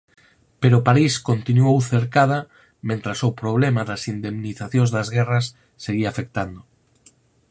Pero París continuou cercada mentres o problema das indemnizacións das guerras seguía afectando.